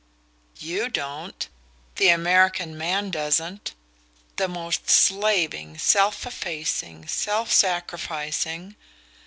"YOU don't? The American man doesn't the most slaving, self effacing, self sacrificing